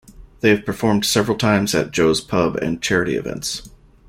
They have performed several times at Joe's Pub and charity events.